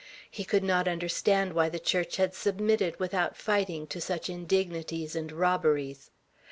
He could not understand why the Church had submitted, without fighting, to such indignities and robberies.